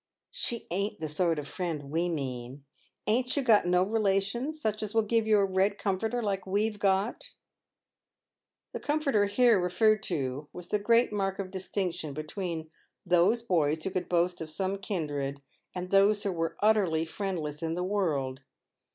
" She ain't the sort of friend we mean. Ain't you got no relations, such as will give you a red comforter like we've got." The comforter here referred to w r as the great mark of distinction between those boys who could boast of some kindred and those who were utterly friendless in the world.